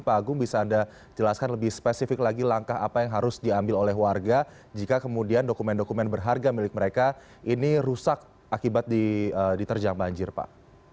pak agung bisa anda jelaskan lebih spesifik lagi langkah apa yang harus diambil oleh warga jika kemudian dokumen dokumen berharga milik mereka ini rusak akibat diterjang banjir pak